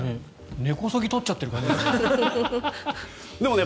根こそぎ取っちゃってる感じですよね。